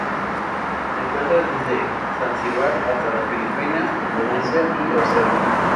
Se encuentra desde Zanzíbar hasta las Filipinas, Indonesia y Australia.